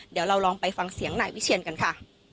เดี๋ยวเราลองไปฟังเสียงนายวิเชียนกันค่ะ